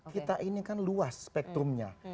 kita ini kan luas spektrumnya